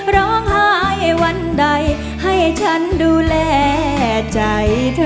ร้องไห้วันใดให้ฉันดูแลใจเธอ